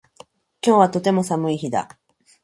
今日はとても寒い日だ